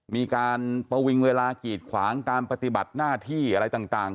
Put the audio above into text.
มีการประวิงเวลากีดขวางการปฏิบัติหน้าที่อะไรต่าง